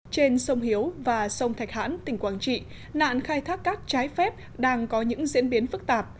trên sông hiếu và sông thạch hãn tỉnh quảng trị nạn khai thác cát trái phép đang có những diễn biến phức tạp